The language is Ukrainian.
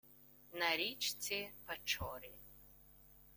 на річці Печорі